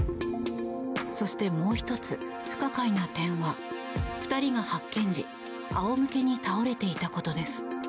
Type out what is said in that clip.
そして、もう１つ不可解な点は２人が発見時あおむけに倒れていたことです。